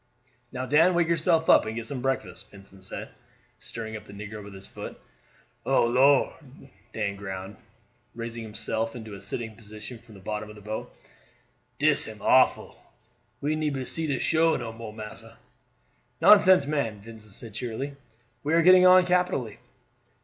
"Now, Dan, wake yourself up and get some breakfast," Vincent said, stirring up the negro with his foot. "Oh Lor'!" Dan groaned, raising himself into a sitting position from the bottom of the boat, "dis am awful; we neber see the shore no more, massa." "Nonsense, man," Vincent said cheerily; "we are getting on capitally."